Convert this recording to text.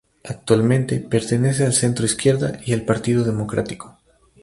Actualmente, pertenece al centro-izquierda y al Partido Democrático.